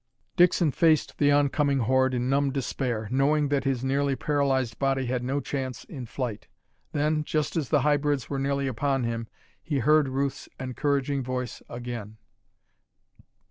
Dixon faced the oncoming horde in numb despair, knowing that his nearly paralyzed body had no chance in flight. Then, just as the hybrids were nearly upon him, he heard Ruth's encouraging voice again.